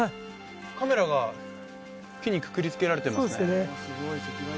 カメラが木にくくりつけられてますね